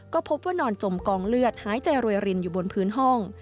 ก็พบว่านอนจมกองเลือดหายใจรวยรินอยู่บนพื้นห้อง